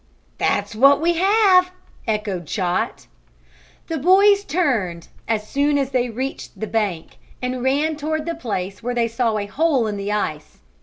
"That's what we have!" echoed Chot. The boys turned, as soon as they reached the bank, and ran toward the place where they saw a hole in the ice.